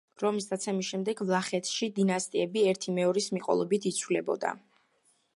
რომის დაცემის შემდეგ ვლახეთში დინასტიები ერთი მეორის მიყოლებით იცვლებოდა.